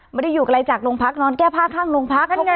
ไม่ได้อยู่กับอะไรจากโรงพักนอนแก้พาข้างโรงพัก